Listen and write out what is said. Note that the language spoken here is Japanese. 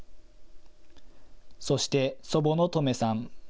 そして、祖母のトメさん。